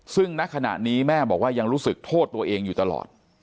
ซึ่งณขณะนี้แม่บอกว่ายังรู้สึกโทษตัวเองอยู่ตลอด